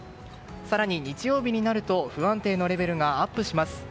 更に、日曜日になると不安定のレベルがアップします。